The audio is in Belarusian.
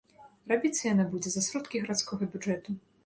Рабіцца яна будзе за сродкі гарадскога бюджэту.